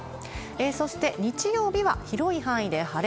そして、日曜日は広い範囲で晴れ。